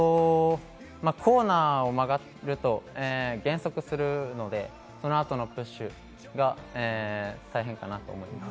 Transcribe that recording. コーナーを曲がると減速するのでそのあとのプッシュが大変かなと思います。